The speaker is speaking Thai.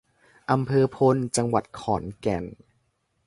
อำเภอพล จังหวัดขอนแก่น